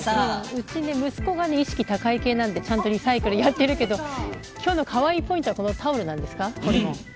うち、息子が意識高い系なんでちゃんとリサイクルやっているけど今日のかわいいポイントはこのタオルなんですか。